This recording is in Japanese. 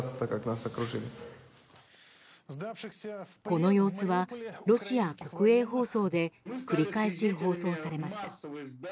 この様子はロシア国営放送で繰り返し放送されました。